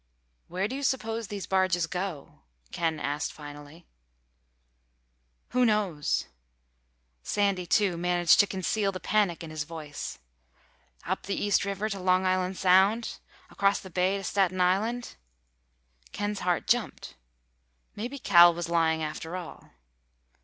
"Where do you suppose these barges go?" Ken asked finally. "Who knows?" Sandy, too, managed to conceal the panic in his voice. "Up the East River to Long Island Sound—across the bay to Staten Island—" Ken's heart jumped. Maybe Cal was lying after all.